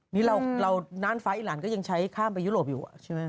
นี่เราน่านฟ้าอีหลานก็ยังใช้ข้ามไปยุโรปอยู่ใช่ไหม